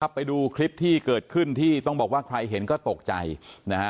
ไปดูคลิปที่เกิดขึ้นที่ต้องบอกว่าใครเห็นก็ตกใจนะฮะ